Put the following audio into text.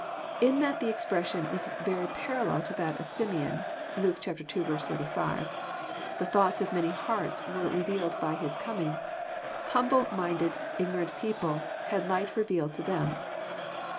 In that the expression is very parallel to tliat of Simeon, (Luke ii. 35,) " The thoughts of many hearts were revealed by his com ing." Humble minded, ignorant people had light revealed to them.